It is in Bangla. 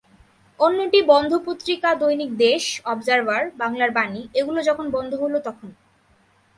অন্যটি বন্ধ পত্রিকা দৈনিক দেশ, অবজারভার, বাংলার বাণী—এগুলো যখন বন্ধ হলো তখন।